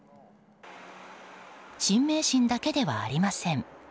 新名神だけではありません。